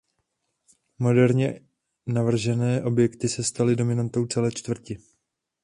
Moderně navržené objekty se staly dominantou celé čtvrti.